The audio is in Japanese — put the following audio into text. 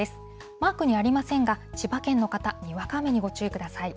マークにありませんが、千葉県の方、にわか雨にご注意ください。